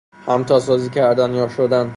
همتاسازی کردن یا شدن